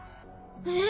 えっ？